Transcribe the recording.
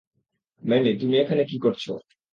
Many, তুমি এখানে কি করছো?